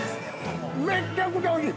めちゃくちゃおいしい！